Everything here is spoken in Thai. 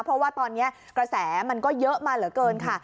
เพราะว่าตอนนี้กระแสมันก็เยอะมาเหลือเกินค่ะ